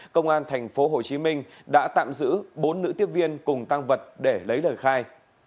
công an tp hcm đã tạm giữ bốn nữ tiếp viên cùng tăng vật để lấy lời khai